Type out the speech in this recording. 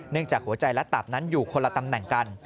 จากหัวใจและตับนั้นอยู่คนละตำแหน่งกัน